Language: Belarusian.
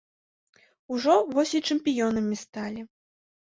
Ужо вось і чэмпіёнам сталі.